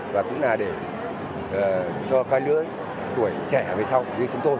và cũng là để cho cái lưỡi tuổi trẻ về sau như chúng tôi